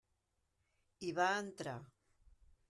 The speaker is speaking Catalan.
Hi va entrar.